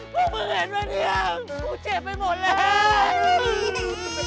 มึงเห็นมาเนี่ยกูเจ็บไปหมดแล้ว